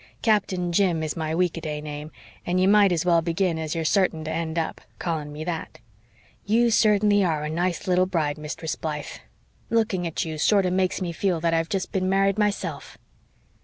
'Captain Jim' is my week a day name and you might as well begin as you're sartain to end up calling me that. You sartainly are a nice little bride, Mistress Blythe. Looking at you sorter makes me feel that I've jest been married myself."